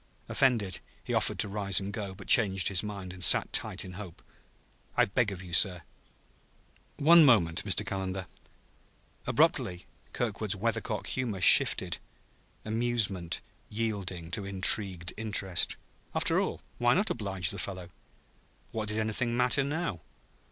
Offended, he offered to rise and go, but changed his mind and sat tight in hope. "I beg of you, sir " "One moment, Mr. Calendar." Abruptly Kirkwood's weathercock humor shifted amusement yielding to intrigued interest. After all, why not oblige the fellow? What did anything matter, now?